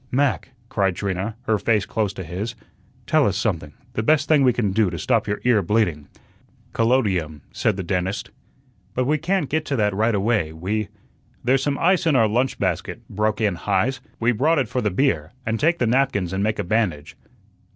"Mac," cried Trina, her face close to his, "tell us something the best thing we can do to stop your ear bleeding." "Collodium," said the dentist. "But we can't get to that right away; we " "There's some ice in our lunch basket," broke in Heise. "We brought it for the beer; and take the napkins and make a bandage."